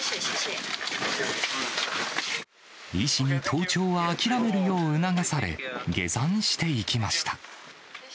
医師に登頂は諦めるよう促され、下山していきました。